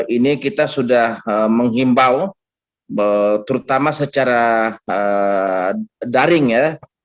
ini kita sudah menghimbau terutama secara daring ya